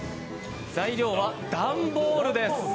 材料は段ボールです。